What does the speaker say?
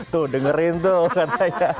tuh dengerin tuh katanya